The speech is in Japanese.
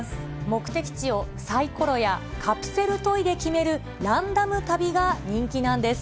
目的地をさいころやカプセルトイで決める、ランダム旅が人気なんです。